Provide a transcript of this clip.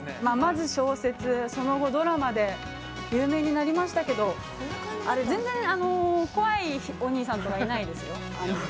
まず小説、その後ドラマで有名になりましたけどあれ全然、怖いお兄さんとかいないですよ。